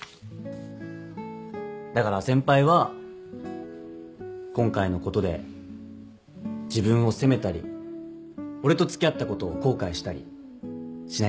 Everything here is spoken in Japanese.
だから先輩は今回のことで自分を責めたり俺と付き合ったことを後悔したりしないでくださいね。